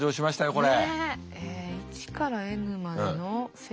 これ。